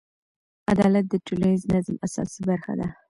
عدالت د ټولنیز نظم اساسي برخه ده.